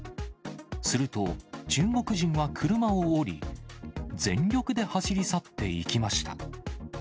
すると、中国人は車を降り、全力で走り去っていきました。